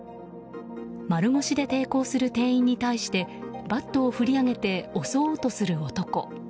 丸腰で抵抗する店員に対してバットを振り上げて襲おうとする男。